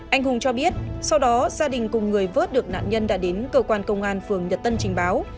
anh hùng cho biết sau đó gia đình cùng người vớt được nạn nhân đã đến cơ quan công an phường nhật tân trình báo